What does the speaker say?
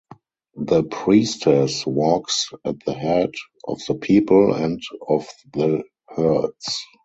The priestess walks at the head of the people and of the herds.